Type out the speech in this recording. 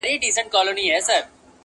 نه هغه ښکلي پخواني خلک په سترګو وینم-